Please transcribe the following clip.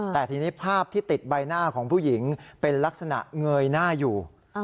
แต่ทีนี้ภาพที่ติดใบหน้าของผู้หญิงเป็นลักษณะเงยหน้าอยู่